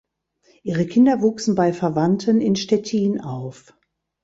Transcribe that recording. Ihre Kinder wuchsen bei Verwandten in Stettin auf.